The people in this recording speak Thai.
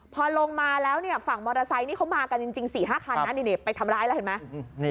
พอลงมาแล้วฝั่งมอเตอร์ไซค์นี่เขามากันจริง๔๕คันนะนี่ไปทำร้ายแล้วเห็นไหม